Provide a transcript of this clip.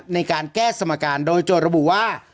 ในการแก้สมการโดยโจทย์ระบุว่า